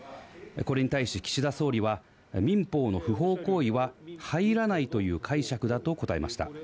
それに対し、岸田総理は民法の不法行為は入らないという解釈だと答えました。